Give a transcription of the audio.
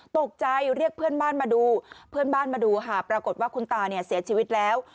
ตกใจเรียกเพื่อนบ้านมาดูปรากฏว่าคุณตาเสียชีวิตแล้ว